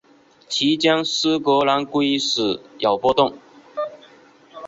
期间苏格兰归属有波动。